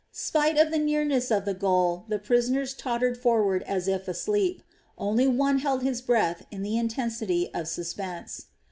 Spite of the nearness of the goal the prisoners tottered forward as if asleep, only one held his breath in the intensity of suspense.